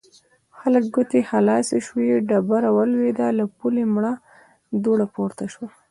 د هلک ګوتې خلاصې شوې، ډبره ولوېده، له پولې مړه دوړه پورته شوه.